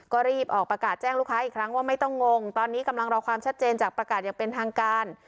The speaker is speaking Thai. ก็รีบออกประกาศแจ้งลูกค้าอีกครั้งว่าไม่ต้องงงตอนนี้กำลังรอความชัดเจนจากประกาศอย่างเป็นทางการ